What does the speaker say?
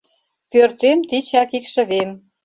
Пӧртем тичак икшывем: